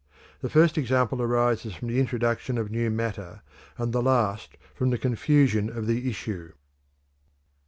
The first example arises from the introduction of new matter, and the last from the confusion of the issue.